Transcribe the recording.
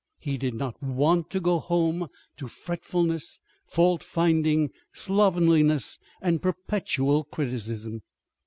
He did not want to go home to fretfulness, fault finding, slovenliness, and perpetual criticism.